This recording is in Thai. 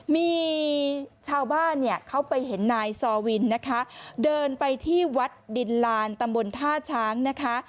มีชาวบ้านเนี่ยเขาไปเห็นนายซอวินนะคะเดินไปที่วัดดินลานตำบลท่าช้างนะคะ